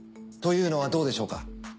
というのはどうでしょうか。